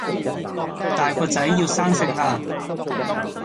大個仔，要生性啦